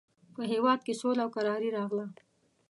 په هېواد کې سوله او کراري راغله.